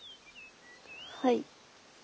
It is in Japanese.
はい。